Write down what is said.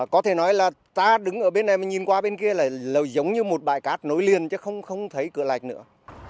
có thể nói là ta đứng ở bên này mình nhìn qua bên kia lại giống như một bãi cát nối liền chứ không thấy cửa lạch nữa